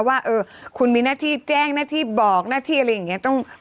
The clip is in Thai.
ว่าคุณมีหน้าที่แจ้งหน้าที่บอกหน้าที่อะไรอย่างนี้